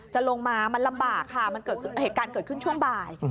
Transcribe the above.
จะลงมามันลำบากค่ะมันเกิดเหตุการณ์เกิดขึ้นช่วงบ่าย